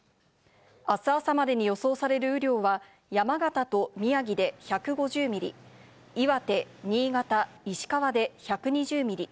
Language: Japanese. あす朝までに予想される雨量は山形と宮城で１５０ミリ、岩手、新潟、石川で１２０ミリ。